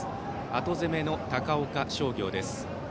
後攻めの高岡商業です。